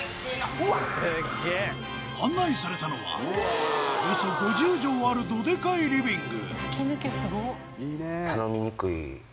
うわっ案内されたのはおよそ５０畳あるドでかいリビング